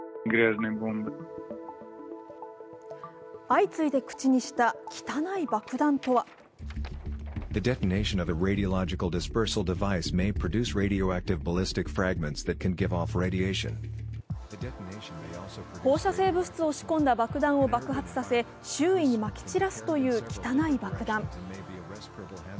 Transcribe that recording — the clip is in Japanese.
相次いで口にした汚い爆弾とは放射性物質を仕込んだ爆弾を爆発させ、周囲にまき散らすという汚い爆弾。